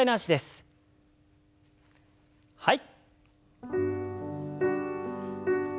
はい。